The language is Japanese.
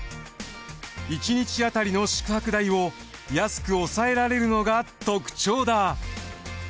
１日あたりの宿泊代を安く抑えられるのが特徴だ。